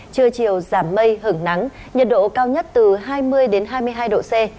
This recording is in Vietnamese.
trưa chiều giảm mây hứng nắng nhiệt độ cao nhất từ hai mươi hai mươi hai độ c